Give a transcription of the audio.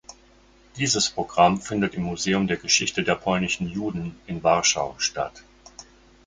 Dieses Programm findet im Museum der Geschichte der polnischen Juden in Warschau statt.